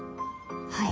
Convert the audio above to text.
はい。